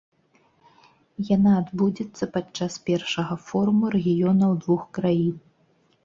Яна адбудзецца падчас першага форуму рэгіёнаў двух краін.